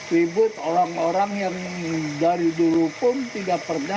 ribut orang orang yang dari dulu pun tidak pernah